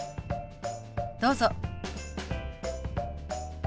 どうぞ。